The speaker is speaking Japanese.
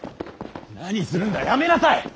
何するんだやめなさい！